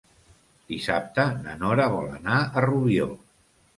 Dissabte na Nora vol anar a Rubió.